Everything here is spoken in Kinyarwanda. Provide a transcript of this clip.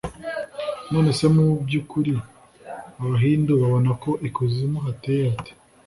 none se, mu by’ukuri abahindu babona ko ikuzimu hateye hate?